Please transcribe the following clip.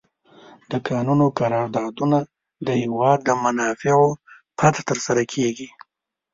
د کانونو قراردادونه د هېواد د منافعو پرته تر سره کیږي.